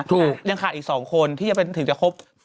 คือยังขาดอีกสองคนที่ถึงจะพบ